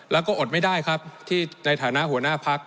แล้วก็อดไม่ได้ครับที่ในฐานะหัวหน้าพัก